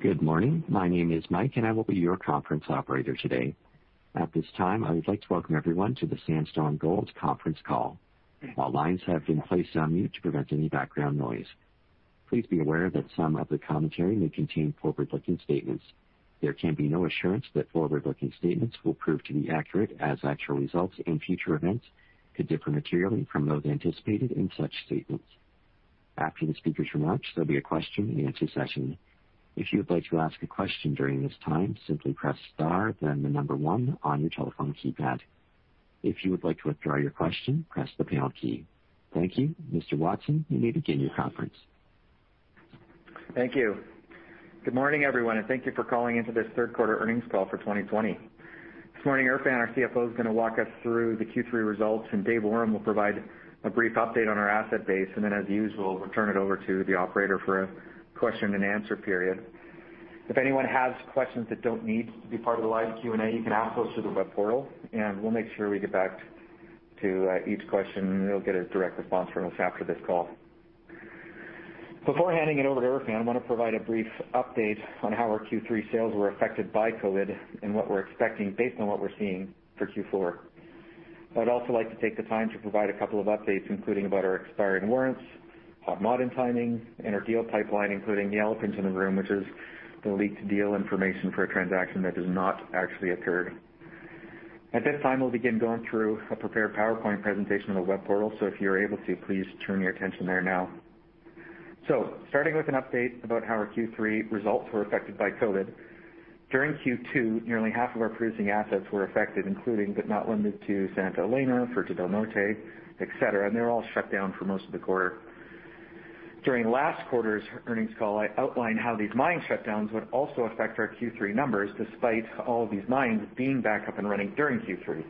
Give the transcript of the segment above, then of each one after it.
Good morning. My name is Mike, and I will be your conference operator today. At this time, I would like to welcome everyone to the Sandstorm Gold conference call. All lines have been placed on mute to prevent any background noise. Please be aware that some of the commentary may contain forward-looking statements. There can be no assurance that forward-looking statements will prove to be accurate as actual results and future events could differ materially from those anticipated in such statements. After the speakers remarks, there will be a question and answer session. If you would like to ask a question during this time, simply press star, then the number one on your telephone keypad. If you would like to withdraw your question, press the pound key. Thank you. Mr. Watson, you may begin your conference. Thank you. Good morning, everyone, and thank you for calling in to this third quarter earnings call for 2020. This morning, Erfan, our CFO, is going to walk us through the Q3 results, and Dave Awram will provide a brief update on our asset base. As usual, we'll turn it over to the operator for a question and answer period. If anyone has questions that don't need to be part of the live Q&A, you can ask those through the web portal, and we'll make sure we get back to each question, and you'll get a direct response from us after this call. Before handing it over to Erfan, I want to provide a brief update on how our Q3 sales were affected by COVID and what we're expecting based on what we're seeing for Q4. I'd also like to take the time to provide a couple of updates, including about our expiring warrants, Hod Maden timing, and our deal pipeline, including the elephant in the room, which is the leaked deal information for a transaction that has not actually occurred. At this time, we'll begin going through a prepared PowerPoint presentation on the web portal. If you're able to, please turn your attention there now. Starting with an update about how our Q3 results were affected by COVID. During Q2, nearly half of our producing assets were affected, including, but not limited to, Santa Elena, Fruta del Norte, et cetera, and they were all shut down for most of the quarter. During last quarter's earnings call, I outlined how these mine shutdowns would also affect our Q3 numbers, despite all of these mines being back up and running during Q3.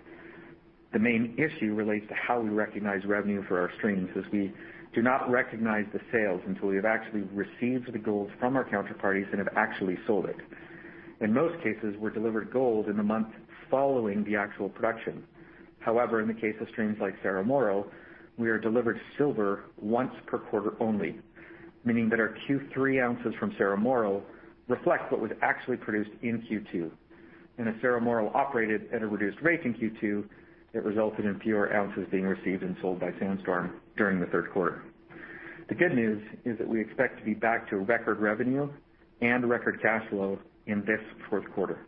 The main issue relates to how we recognize revenue for our streams, as we do not recognize the sales until we have actually received the gold from our counterparties and have actually sold it. In most cases, we're delivered gold in the month following the actual production. However, in the case of streams like Cerro Moro, we are delivered silver once per quarter only, meaning that our Q3 ounces from Cerro Moro reflect what was actually produced in Q2. As Cerro Moro operated at a reduced rate in Q2, it resulted in fewer ounces being received and sold by Sandstorm during the third quarter. The good news is that we expect to be back to record revenue and record cash flow in this fourth quarter.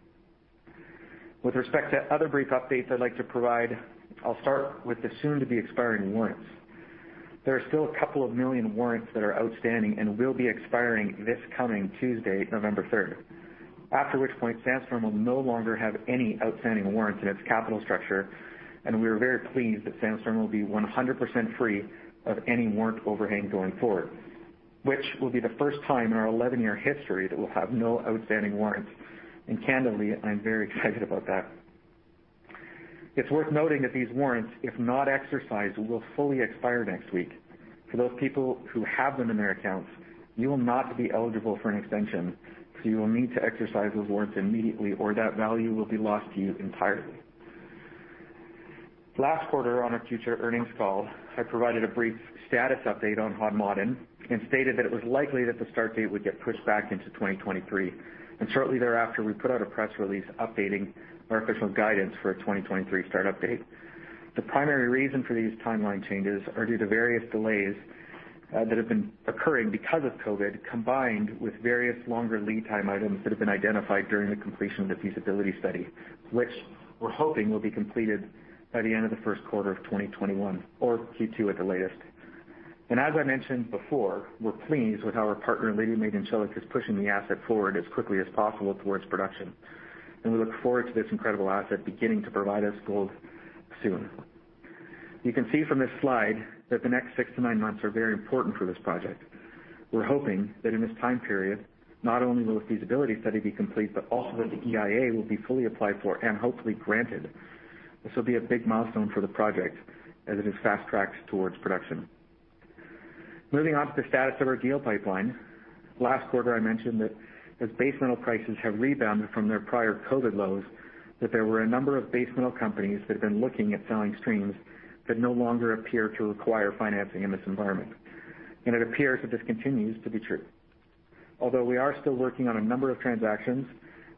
With respect to other brief updates I'd like to provide, I'll start with the soon-to-be expiring warrants. There are still a couple of million warrants that are outstanding and will be expiring this coming Tuesday, November 3rd. After which point, Sandstorm will no longer have any outstanding warrants in its capital structure, and we are very pleased that Sandstorm will be 100% free of any warrant overhang going forward. Which will be the first time in our 11-year history that we'll have no outstanding warrants. Candidly, I'm very excited about that. It's worth noting that these warrants, if not exercised, will fully expire next week. For those people who have them in their accounts, you will not be eligible for an extension, so you will need to exercise those warrants immediately or that value will be lost to you entirely. Last quarter on our future earnings call, I provided a brief status update on Hod Maden and stated that it was likely that the start date would get pushed back into 2023. Shortly thereafter, we put out a press release updating our official guidance for a 2023 start update. The primary reason for these timeline changes are due to various delays that have been occurring because of COVID, combined with various longer lead time items that have been identified during the completion of the feasibility study, which we're hoping will be completed by the end of the first quarter of 2021 or Q2 at the latest. As I mentioned before, we're pleased with how our partner, Lidya Madencilik, is pushing the asset forward as quickly as possible towards production. We look forward to this incredible asset beginning to provide us gold soon. You can see from this slide that the next six to nine months are very important for this project. We're hoping that in this time period, not only will a feasibility study be complete, but also that the EIA will be fully applied for and hopefully granted. This will be a big milestone for the project as it is fast-tracked towards production. Moving on to the status of our deal pipeline. Last quarter, I mentioned that as base metal prices have rebounded from their prior COVID lows, that there were a number of base metal companies that have been looking at selling streams that no longer appear to require financing in this environment. It appears that this continues to be true. Although we are still working on a number of transactions,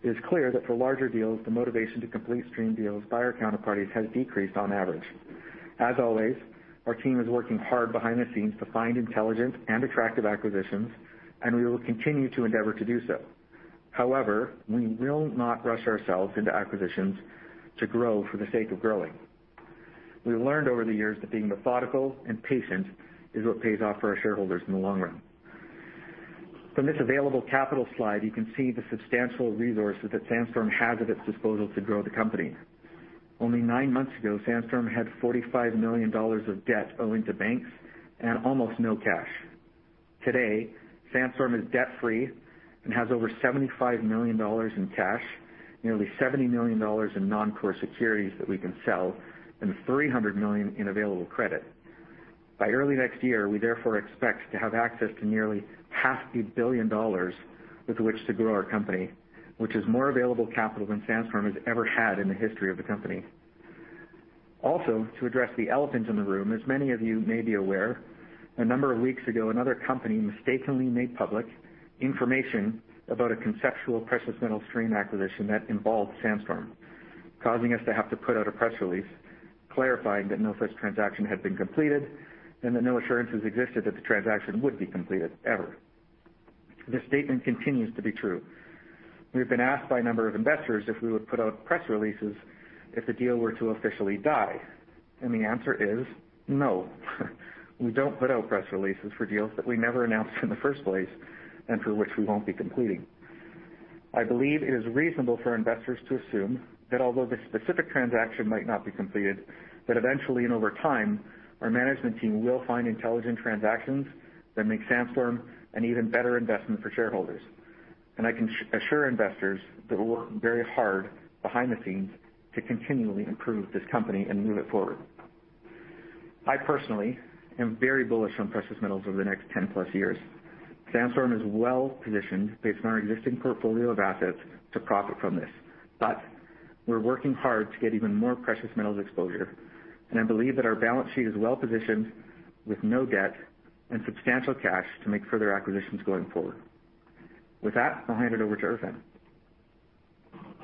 it is clear that for larger deals, the motivation to complete stream deals by our counterparties has decreased on average. As always, our team is working hard behind the scenes to find intelligent and attractive acquisitions, and we will continue to endeavor to do so. However, we will not rush ourselves into acquisitions to grow for the sake of growing. We learned over the years that being methodical and patient is what pays off for our shareholders in the long run. From this available capital slide, you can see the substantial resources that Sandstorm has at its disposal to grow the company. Only nine months ago, Sandstorm had $45 million of debt owing to banks and almost no cash. Today, Sandstorm is debt-free and has over $75 million in cash, nearly $70 million in non-core securities that we can sell, and $300 million in available credit. By early next year, we therefore expect to have access to nearly $0.5 billion with which to grow our company, which is more available capital than Sandstorm has ever had in the history of the company. To address the elephant in the room, as many of you may be aware, a number of weeks ago, another company mistakenly made public information about a conceptual precious metal stream acquisition that involved Sandstorm, causing us to have to put out a press release clarifying that no such transaction had been completed and that no assurances existed that the transaction would be completed, ever. This statement continues to be true. We've been asked by a number of investors if we would put out press releases if the deal were to officially die, and the answer is no. We don't put out press releases for deals that we never announced in the first place and for which we won't be completing. I believe it is reasonable for investors to assume that although this specific transaction might not be completed, that eventually and over time, our management team will find intelligent transactions that make Sandstorm an even better investment for shareholders. And I can assure investors that we're working very hard behind the scenes to continually improve this company and move it forward. I personally am very bullish on precious metals over the next 10+ years. Sandstorm is well-positioned based on our existing portfolio of assets to profit from this. We're working hard to get even more precious metals exposure, and I believe that our balance sheet is well-positioned with no debt and substantial cash to make further acquisitions going forward. With that, I'll hand it over to Erfan.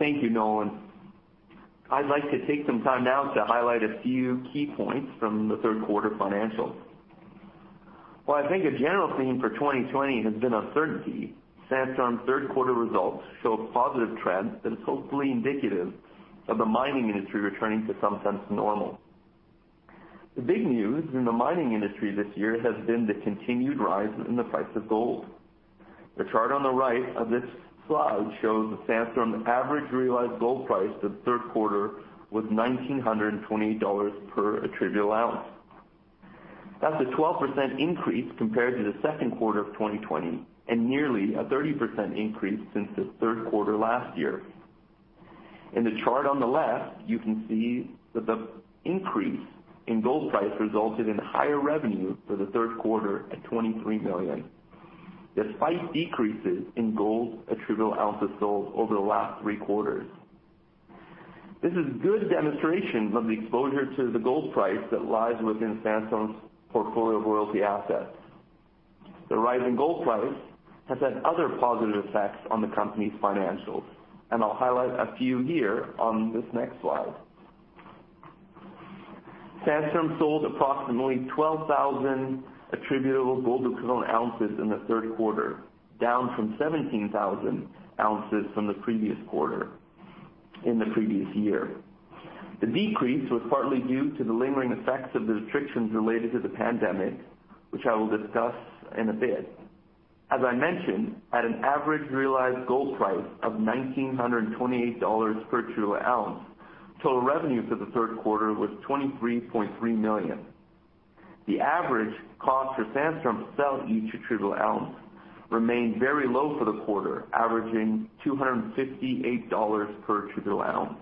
Thank you, Nolan. I'd like to take some time now to highlight a few key points from the third quarter financials. While I think a general theme for 2020 has been uncertainty, Sandstorm's third quarter results show a positive trend that is hopefully indicative of the mining industry returning to some sense of normal. The big news in the mining industry this year has been the continued rise in the price of gold. The chart on the right of this slide shows the Sandstorm average realized gold price for the third quarter was $1,928 per attributable ounce. That's a 12% increase compared to the second quarter of 2020 and nearly a 30% increase since the third quarter last year. In the chart on the left, you can see that the increase in gold price resulted in higher revenue for the third quarter at $23 million, despite decreases in gold attributable ounces sold over the last three quarters. This is good demonstration of the exposure to the gold price that lies within Sandstorm's portfolio of royalty assets. The rising gold price has that other positive effects on the company's financials and I'll highlight a few here on this next slide. Sandstorm sold approximately 12,000 attributable gold equivalent ounces in the third quarter, down from 17,000 ounces from the previous quarter in the previous year. The decrease was partly due to the lingering effects of the restrictions related to the pandemic, which I will discuss in a bit. As I mentioned, at an average realized gold price of $1,928 per attributable ounce, total revenue for the third quarter was $23.3 million. The average cost for Sandstorm to sell each attributable ounce remained very low for the quarter, averaging $258 per attributable ounce.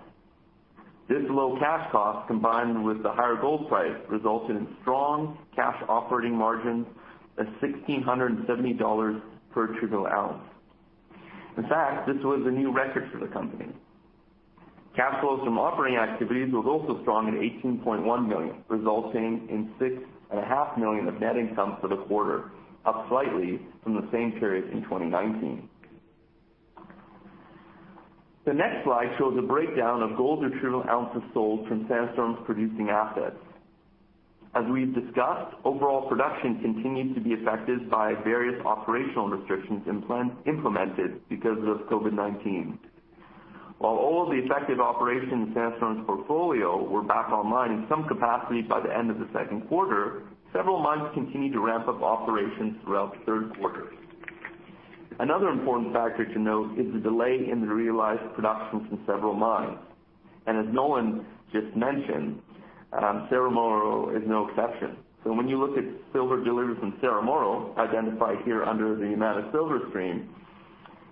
This low cash cost, combined with the higher gold price, resulted in strong cash operating margin of $1,670 per attributable ounce. In fact, this was a new record for the company. Cash flows from operating activities was also strong at $18.1 million, resulting in $6.5 million of net income for the quarter, up slightly from the same period in 2019. The next slide shows a breakdown of gold attributable ounces sold from Sandstorm's producing assets. As we've discussed, overall production continued to be affected by various operational restrictions implemented because of COVID-19. While all of the affected operations in Sandstorm Gold's portfolio were back online in some capacity by the end of the second quarter, several mines continued to ramp up operations throughout the third quarter. Another important factor to note is the delay in the realized production from several mines. As Nolan just mentioned, Cerro Moro is no exception. When you look at silver deliveries from Cerro Moro, identified here under the Yamana Silver Stream,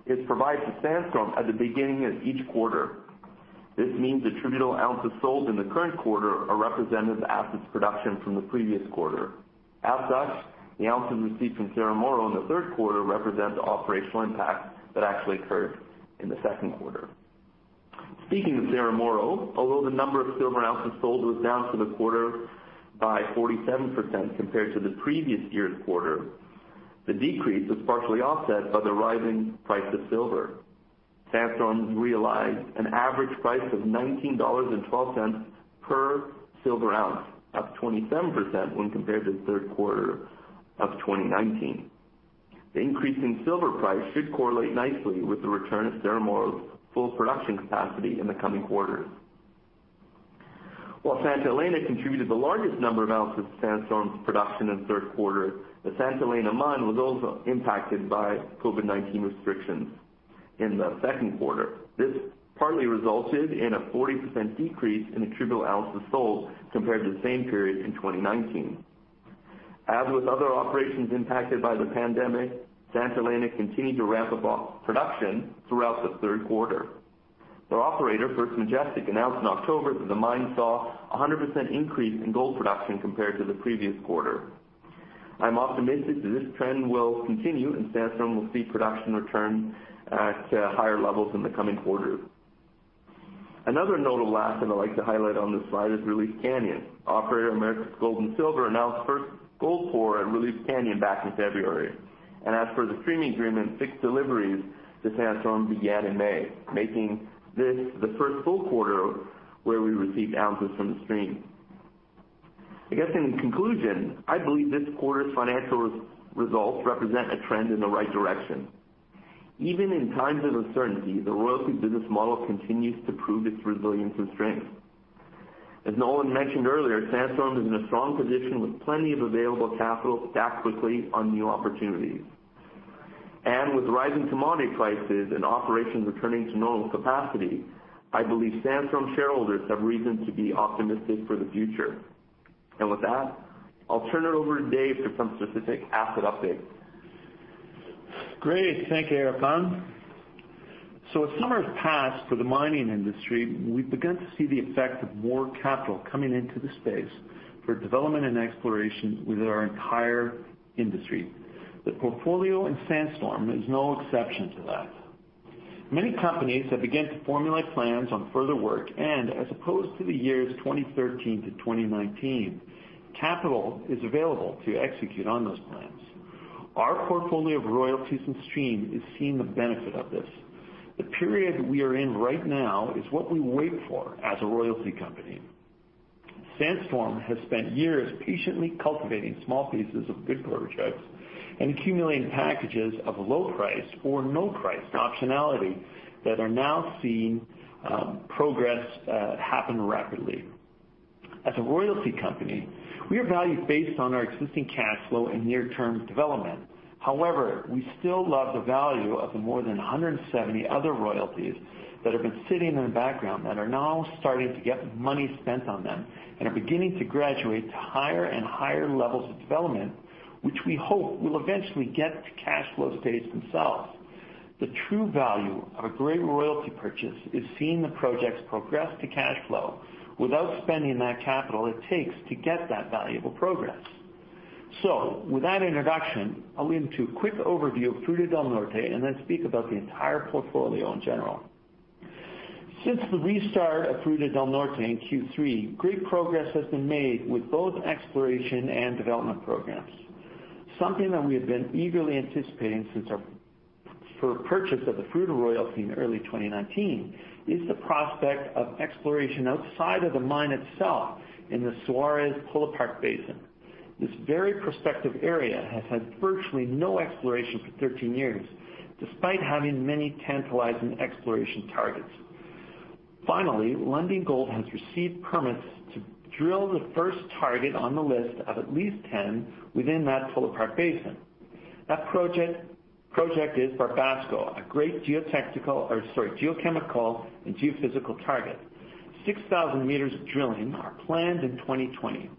it's provided to Sandstorm Gold at the beginning of each quarter. This means attributable ounces sold in the current quarter are representative of the asset's production from the previous quarter. As such, the ounces received from Cerro Moro in the third quarter represent the operational impact that actually occurred in the second quarter. Speaking of Cerro Moro, although the number of silver ounces sold was down for the quarter by 47% compared to the previous year's quarter, the decrease was partially offset by the rising price of silver. Sandstorm realized an average price of $19.12 per silver ounce, up 27% when compared to the third quarter of 2019. The increase in silver price should correlate nicely with the return of Cerro Moro's full production capacity in the coming quarters. While Santa Elena contributed the largest number of ounces to Sandstorm's production in the third quarter, the Santa Elena mine was also impacted by COVID-19 restrictions in the second quarter. This partly resulted in a 40% decrease in attributable ounces sold compared to the same period in 2019. As with other operations impacted by the pandemic, Santa Elena continued to ramp up production throughout the third quarter. The operator, First Majestic, announced in October that the mine saw 100% increase in gold production compared to the previous quarter. I'm optimistic that this trend will continue and Sandstorm will see production return at higher levels in the coming quarters. Another notable asset I'd like to highlight on this slide is Relief Canyon. Operator Americas Gold and Silver announced first gold pour at Relief Canyon back in February. As per the streaming agreement, fixed deliveries to Sandstorm began in May, making this the first full quarter where we received ounces from the stream. I guess in conclusion, I believe this quarter's financial results represent a trend in the right direction. Even in times of uncertainty, the royalty business model continues to prove its resilience and strength. As Nolan mentioned earlier, Sandstorm is in a strong position with plenty of available capital to act quickly on new opportunities. With rising commodity prices and operations returning to normal capacity, I believe Sandstorm shareholders have reason to be optimistic for the future. With that, I'll turn it over to Dave for some specific asset updates. Great. Thank you, Erfan. As summers pass for the mining industry, we've begun to see the effect of more capital coming into the space for development and exploration with our entire industry. The portfolio in Sandstorm is no exception to that. Many companies have begun to formulate plans on further work, and as opposed to the years 2013 to 2019, capital is available to execute on those plans. Our portfolio of royalties and stream is seeing the benefit of this. The period we are in right now is what we wait for as a royalty company. Sandstorm has spent years patiently cultivating small pieces of good projects and accumulating packages of low price or no price optionality that are now seeing progress happen rapidly. As a royalty company, we are valued based on our existing cash flow and near-term development. However, we still love the value of the more than 170 other royalties that have been sitting in the background that are now starting to get money spent on them and are beginning to graduate to higher and higher levels of development, which we hope will eventually get to cash flow stage themselves. The true value of a great royalty purchase is seeing the projects progress to cash flow without spending that capital it takes to get that valuable progress. With that introduction, I'll lean to a quick overview of Fruta del Norte and then speak about the entire portfolio in general. Since the restart of Fruta del Norte in Q3, great progress has been made with both exploration and development programs. Something that we have been eagerly anticipating since our purchase of the Fruta royalty in early 2019 is the prospect of exploration outside of the mine itself in the Suarez pull-apart basin. This very prospective area has had virtually no exploration for 13 years, despite having many tantalizing exploration targets. Finally, Lundin Gold has received permits to drill the first target on the list of at least 10 within that pull-apart basin. That project is Barbasco, a great geotechnical, sorry, geochemical and geophysical target. 6,000 m of drilling are planned in 2020.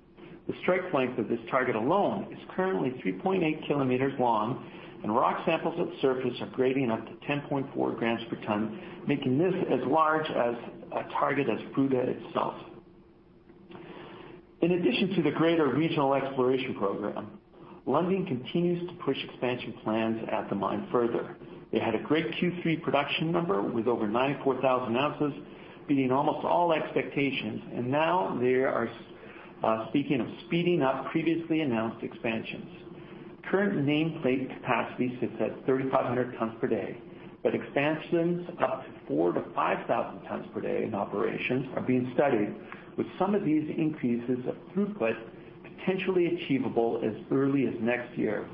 The strike length of this target alone is currently 3.8 km long, and rock samples at surface are grading up to 10.4 grams per ton, making this as large as a target as Fruta itself. In addition to the greater regional exploration program, Lundin continues to push expansion plans at the mine further. They had a great Q3 production number with over 94,000 oz, beating almost all expectations. Now they are speaking of speeding up previously announced expansions. Current nameplate capacity sits at 3,500 tons per day. Expansions up to 4,000 tons-5,000 tons per day in operations are being studied with some of these increases of throughput potentially achievable as early as next year.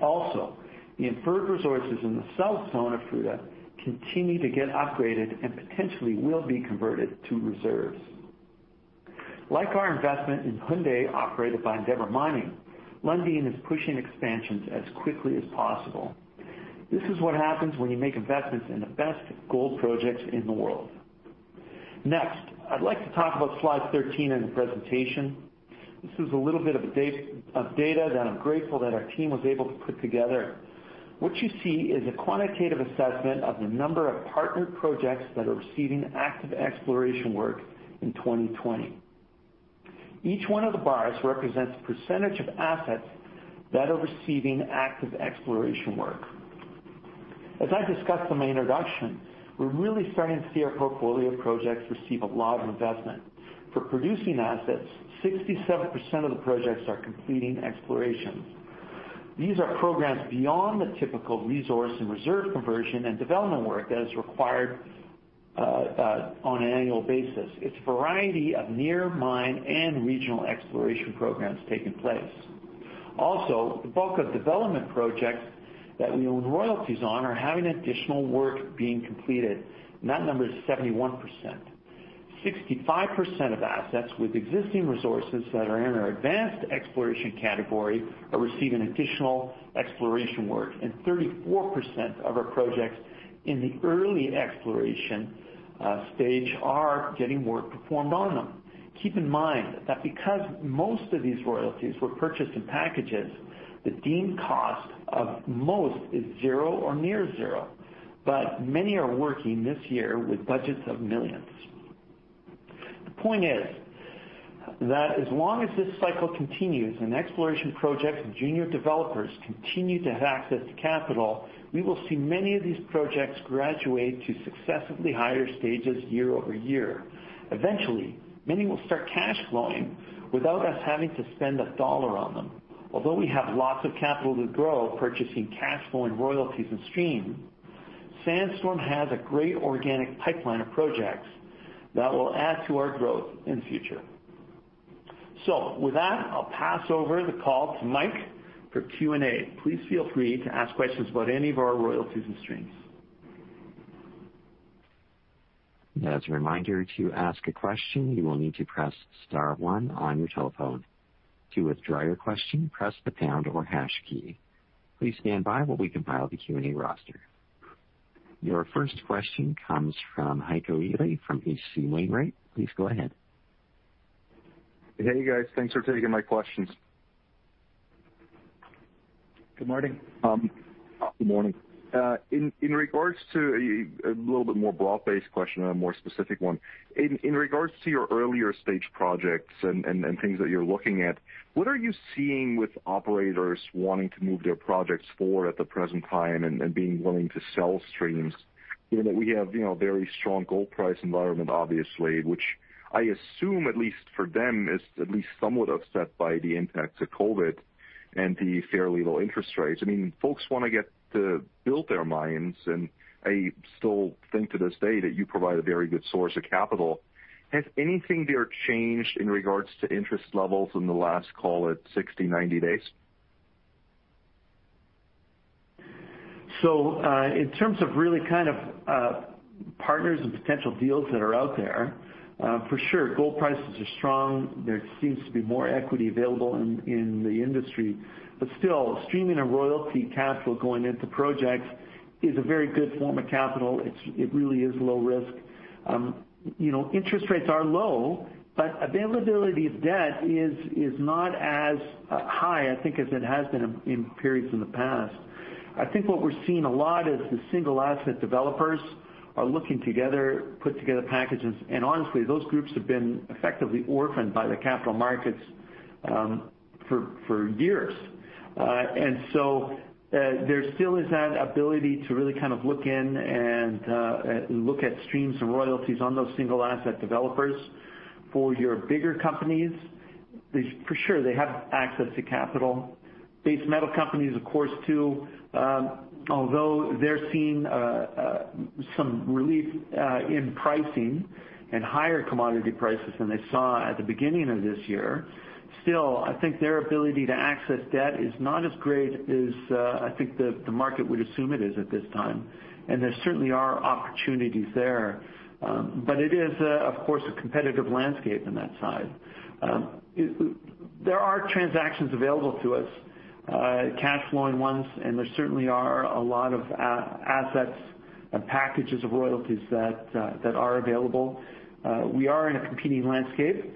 The inferred resources in the south zone of Fruta continue to get upgraded and potentially will be converted to reserves. Like our investment in Houndé operated by Endeavour Mining, Lundin is pushing expansions as quickly as possible. This is what happens when you make investments in the best gold projects in the world. I'd like to talk about slide 13 in the presentation. This is a little bit of data that I'm grateful that our team was able to put together. What you see is a quantitative assessment of the number of partnered projects that are receiving active exploration work in 2020. Each one of the bars represents percent of assets that are receiving active exploration work. As I discussed in my introduction, we're really starting to see our portfolio of projects receive a lot of investment. For producing assets, 67% of the projects are completing explorations. These are programs beyond the typical resource and reserve conversion and development work that is required on an annual basis. It's a variety of near mine and regional exploration programs taking place. The bulk of development projects that we own royalties on are having additional work being completed. That number is 71%. 65% of assets with existing resources that are in our advanced exploration category are receiving additional exploration work, and 34% of our projects in the early exploration stage are getting work performed on them. Keep in mind that because most of these royalties were purchased in packages, the deemed cost of most is zero or near zero. Many are working this year with budgets of millions. The point is that as long as this cycle continues and exploration projects and junior developers continue to have access to capital, we will see many of these projects graduate to successively higher stages year-over-year. Eventually, many will start cash flowing without us having to spend a dollar on them. Although we have lots of capital to grow purchasing cash flowing royalties and stream, Sandstorm has a great organic pipeline of projects that will add to our growth in the future. With that, I'll pass over the call to Mike for Q&A. Please feel free to ask questions about any of our royalties and streams. That's reminder to ask a question, you will need to press star one on your telephone. To withdraw your question, press the pound or hash key. Please standby while we compile the Q&A roster. Your first question comes from Heiko Ihle from H.C. Wainwright. Please go ahead. Hey, guys. Thanks for taking my questions. Good morning. Good morning. A little bit more broad-based question and a more specific one. In regards to your earlier stage projects and things that you're looking at, what are you seeing with operators wanting to move their projects forward at the present time and being willing to sell streams? We have a very strong gold price environment, obviously, which I assume, at least for them, is at least somewhat upset by the impact of COVID and the fairly low interest rates. Folks want to get to build their mines, and I still think to this day that you provide a very good source of capital. Has anything there changed in regards to interest levels in the last, call it, 60 days, 90 days? In terms of really partners and potential deals that are out there, for sure, gold prices are strong. There seems to be more equity available in the industry. Still, streaming a royalty capital going into projects is a very good form of capital. It really is low risk. Interest rates are low, but availability of debt is not as high, I think, as it has been in periods in the past. I think what we're seeing a lot is the single asset developers are looking together, put together packages, and honestly, those groups have been effectively orphaned by the capital markets for years. There still is that ability to really look in and look at streams and royalties on those single asset developers. For your bigger companies, for sure, they have access to capital. Base metal companies, of course, too, although they're seeing some relief in pricing and higher commodity prices than they saw at the beginning of this year. Still, I think their ability to access debt is not as great as I think the market would assume it is at this time, and there certainly are opportunities there. It is, of course, a competitive landscape on that side. There are transactions available to us, cash flowing ones, and there certainly are a lot of assets and packages of royalties that are available. We are in a competing landscape.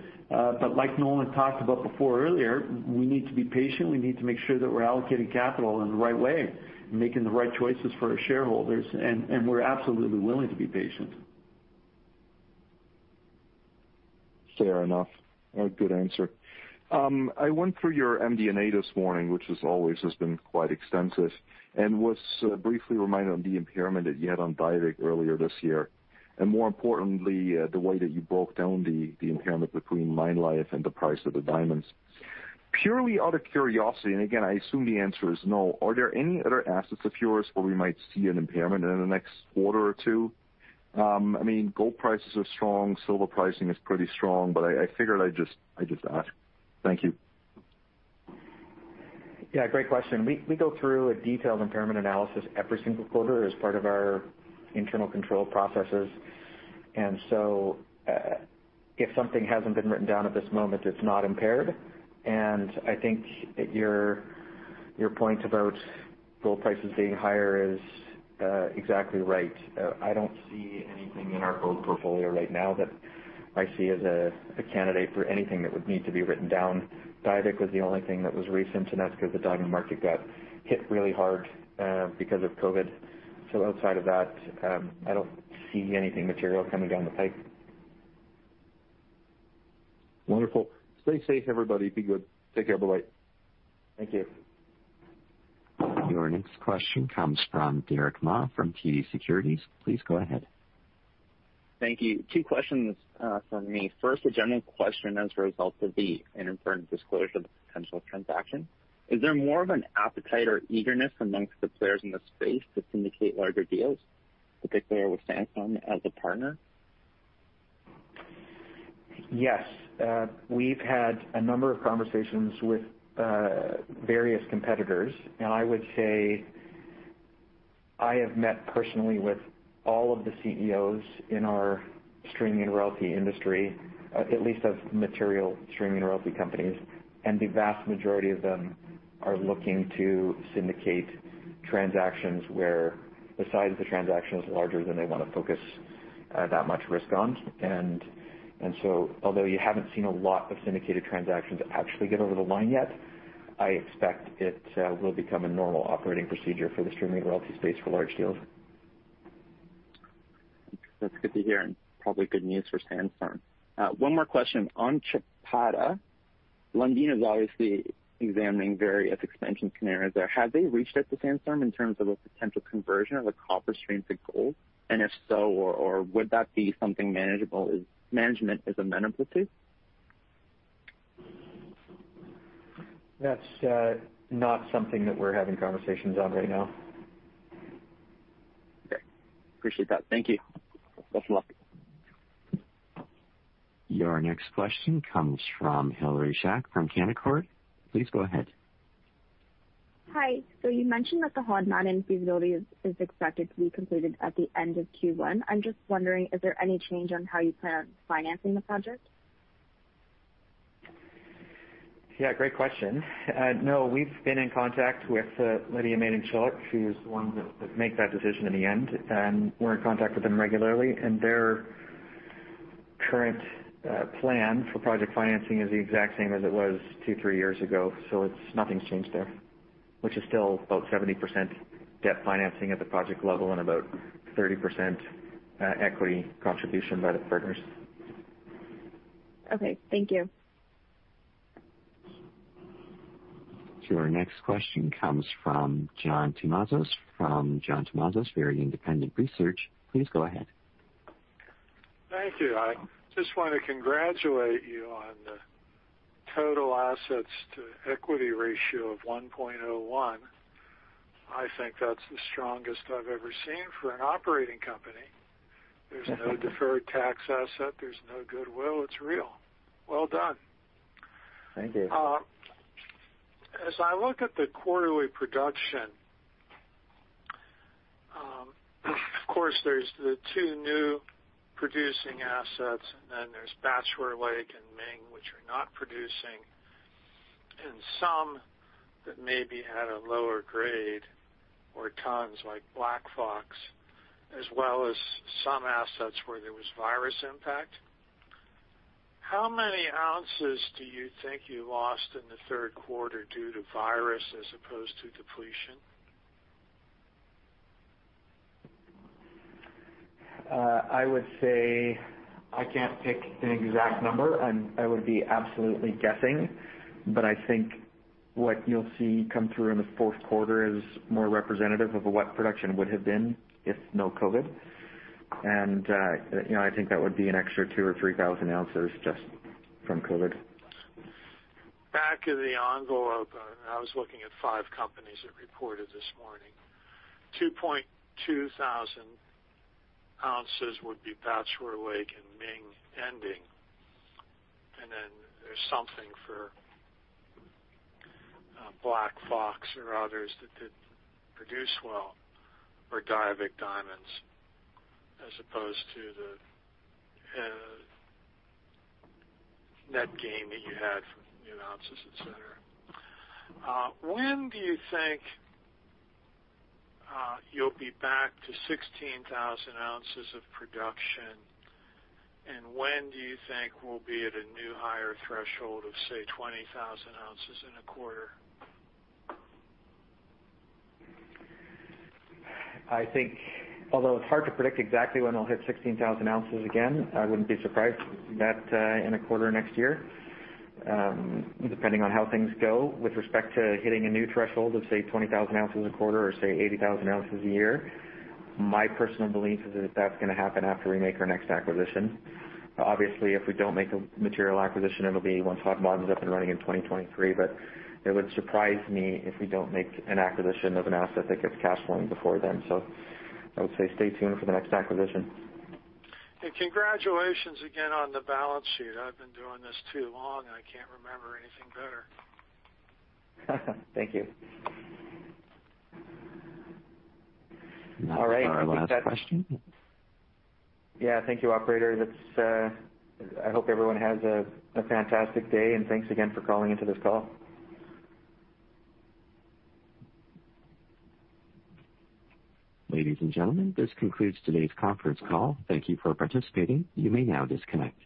Like Nolan talked about before earlier, we need to be patient. We need to make sure that we're allocating capital in the right way and making the right choices for our shareholders, and we're absolutely willing to be patient. Fair enough. A good answer. I went through your MD&A this morning, which as always, has been quite extensive, and was briefly reminded on the impairment that you had on Diavik earlier this year, and more importantly, the way that you broke down the impairment between mine life and the price of the diamonds. Purely out of curiosity, and again, I assume the answer is no, are there any other assets of yours where we might see an impairment in the next quarter or two? Gold prices are strong, silver pricing is pretty strong. I figured I'd just ask. Thank you. Yeah, great question. We go through a detailed impairment analysis every single quarter as part of our internal control processes. If something hasn't been written down at this moment, it's not impaired. I think your point about gold prices being higher is exactly right. I don't see anything in our gold portfolio right now that I see as a candidate for anything that would need to be written down. Diavik was the only thing that was recent, and that's because the diamond market got hit really hard because of COVID. Outside of that, I don't see anything material coming down the pipe. Wonderful. Stay safe, everybody. Be good. Take care. Bye-bye. Thank you. Your next question comes from Derick Ma from TD Securities. Please go ahead. Thank you. Two questions from me. First, a general question as a result of the interim disclosure of the potential transaction. Is there more of an appetite or eagerness amongst the players in the space to syndicate larger deals, particularly with Sandstorm as a partner? Yes. We've had a number of conversations with various competitors, I would say I have met personally with all of the CEOs in our streaming royalty industry, at least of material streaming royalty companies, the vast majority of them are looking to syndicate transactions where the size of the transaction is larger than they want to focus that much risk on. Although you haven't seen a lot of syndicated transactions actually get over the line yet, I expect it will become a normal operating procedure for the streaming royalty space for large deals. That's good to hear, and probably good news for Sandstorm. One more question. On Chapada, Lundin is obviously examining various expansion scenarios there. Have they reached out to Sandstorm in terms of a potential conversion of a copper stream to gold? If so, or would that be something manageable, as management is amenable to? That's not something that we're having conversations on right now. Okay. Appreciate that. Thank you. Best of luck. Your next question comes from Hilary Chak from Canaccord. Please go ahead. Hi. You mentioned that the Hod Maden feasibility is expected to be completed at the end of Q1. I'm just wondering, is there any change on how you plan on financing the project? Yeah, great question. No, we've been in contact with Lidya Madencilik, she is the one that will make that decision in the end, and we're in contact with them regularly. Their current plan for project financing is the exact same as it was two, three years ago. Nothing's changed there, which is still about 70% debt financing at the project level and about 30% equity contribution by the partners. Okay. Thank you. Our next question comes from John Tumazos from John Tumazos Very Independent Research. Please go ahead. Thank you. I just want to congratulate you on the total assets to equity ratio of 1.01. I think that's the strongest I've ever seen for an operating company. There's no deferred tax asset, there's no goodwill. It's real. Well done. Thank you. As I look at the quarterly production, of course there's the two new producing assets. There's Bachelor Lake and Ming, which are not producing. Some that may be at a lower grade or tons, like Black Fox, as well as some assets where there was virus impact. How many ounces do you think you lost in the third quarter due to virus as opposed to depletion? I would say I can't pick an exact number, and I would be absolutely guessing, but I think what you'll see come through in the fourth quarter is more representative of what production would have been if no COVID. I think that would be an extra 2,000 oz or 3,000 oz just from COVID. Back of the envelope, I was looking at five companies that reported this morning. 2,200 oz would be Bachelor Lake and Ming ending. Then there's something for Black Fox or others that didn't produce well, or Diavik Diamonds, as opposed to the net gain that you had from new ounces, et cetera. When do you think you'll be back to 16,000 oz of production, and when do you think we'll be at a new higher threshold of, say, 20,000 oz in a quarter? Although it's hard to predict exactly when I'll hit 16,000 oz again, I wouldn't be surprised to see that in a quarter next year, depending on how things go. With respect to hitting a new threshold of, say, 20,000 oz a quarter or, say, 80,000 oz a year, my personal belief is that that's going to happen after we make our next acquisition. Obviously, if we don't make a material acquisition, it'll be once Hod Maden's up and running in 2023. It would surprise me if we don't make an acquisition of an asset that gives cash flowing before then. I would say stay tuned for the next acquisition. Congratulations again on the balance sheet. I've been doing this too long, and I can't remember anything better. Thank you. That was our last question. Yeah. Thank you, operator. I hope everyone has a fantastic day, and thanks again for calling into this call. Ladies and gentlemen, this concludes today's conference call. Thank you for participating. You may now disconnect.